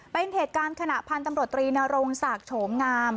เป็นเหตุการณ์ขณะพันธุ์ตำรวจตรีนรงศักดิ์โฉมงาม